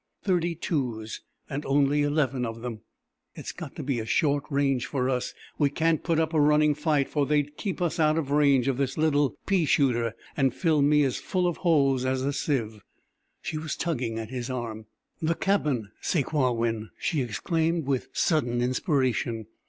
"Thirty twos! And only eleven of them! It's got to be a short range for us. We can't put up a running fight for they'd keep out of range of this little pea shooter and fill me as full of holes as a sieve!" She was tugging at his arm. "The cabin, Sakewawin!" she exclaimed with sudden inspiration.